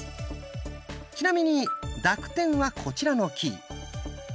ちなみに濁点はこちらのキー。